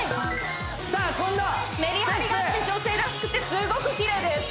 さあ今度ステップメリハリがあって女性らしくてすごくきれいです！